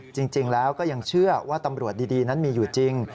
จริงแล้วก็ยังเชื่อว่าตำรวจดีนั้นมีอยู่จริง